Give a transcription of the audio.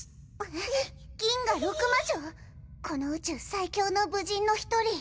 この宇宙最強の武人の一人。